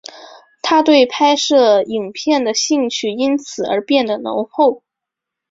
他对拍摄影片的兴趣因此而变得浓厚。